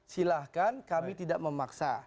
silahkan kami tidak memaksa